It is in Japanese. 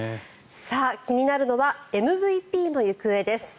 気になるのはＭＶＰの行方です。